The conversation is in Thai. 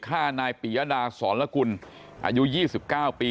ฆ่านายปียดาสรกุลอายุ๒๙ปี